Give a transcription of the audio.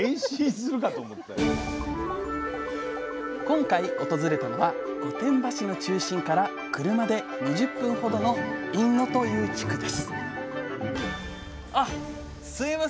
今回訪れたのは御殿場市の中心から車で２０分ほどの印野という地区ですあすいません。